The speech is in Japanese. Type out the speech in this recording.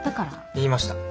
言いました。